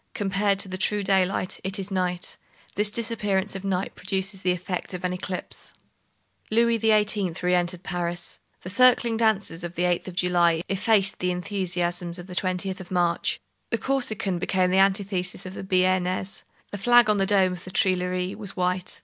Compared to the true daylight, it is night. This disappearance of night produces the effect of an eclipse. Louis XVIII. re entered Paris. The circling dances of the 8th of July effaced the enthusiasms of the 20th of March. The Corsican became the antithesis of the Bearnese. The flag on the dome of the Tuileries was white.